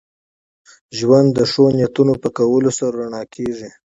ژوند د ښو نیتونو په کولو سره رڼا کېږي.